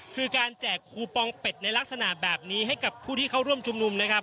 คือการแจกคูปองเป็ดในลักษณะแบบนี้ให้กับผู้ที่เข้าร่วมชุมนุมนะครับ